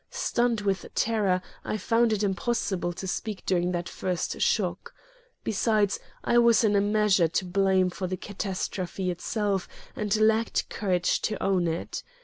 Stunned with terror, I found it impossible to speak during that first shock. Besides, I was in a measure to blame for the catastrophe itself and lacked courage to own it.